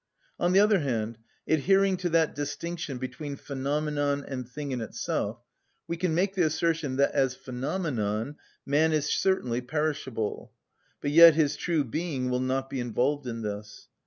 On the other hand, adhering to that distinction between phenomenon and thing in itself, we can make the assertion that, as phenomenon, man is certainly perishable, but yet his true being will not be involved in this.